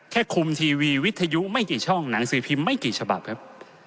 คุมทีวีวิทยุไม่กี่ช่องหนังสือพิมพ์ไม่กี่ฉบับครับ